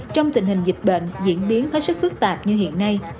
trong tình hình dịch bệnh diễn biến hết sức phức tạp như hiện nay